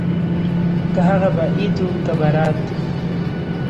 که هغه به عيد وو که ببرات.